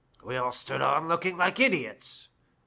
" We all stood looking on like idiots.